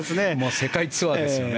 世界ツアーですよね。